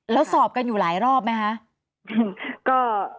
แล้วสอบกันอยู่หลายรอบไหมคะ